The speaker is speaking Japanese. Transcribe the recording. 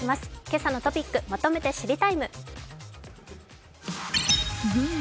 「けさのトピックまとめて知りＴＩＭＥ，」